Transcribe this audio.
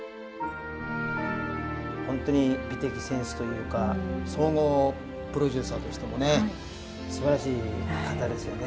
本当に美的センスというか総合プロデューサーとしてもねすばらしい方ですよね。